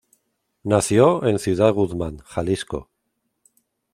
Nació en Ciudad Guzmán, Jalisco.